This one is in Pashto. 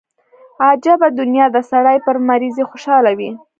عجبه دنيا ده سړى پر مريضۍ خوشاله وي.